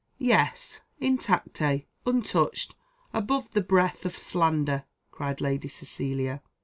"Yes, intacte untouched above the breath of slander," cried Lady Cecilia.